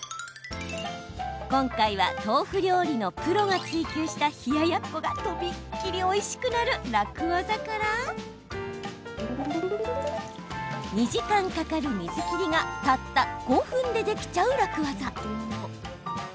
今回は豆腐料理のプロが追求した冷ややっこが、とびきりおいしくなる楽ワザから２時間かかる水切りがたった５分でできちゃう楽ワザ。